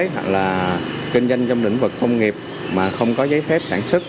hoặc là kinh doanh trong lĩnh vực công nghiệp mà không có giấy phép sản xuất